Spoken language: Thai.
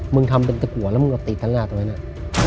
มึงทำเป็นตะกัวแล้วมึงเอาไปตีดตาละนาดตัวเนี่ย